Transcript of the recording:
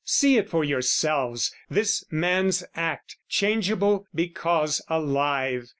See it for yourselves, This man's act, changeable because alive!